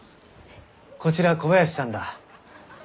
こちら小林さんだ。